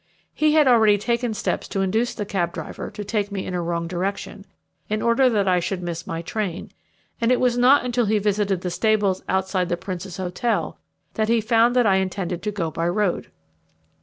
He had already taken steps to induce the cab driver to take me in a wrong direction, in order that I should miss my train, and it was not until he visited the stables outside the Prince's Hotel that he found that I intended to go by road.